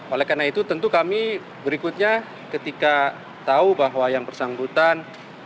oleh karena itu tentu kami berikutnya ketika tahu bahwa yang bersangkutan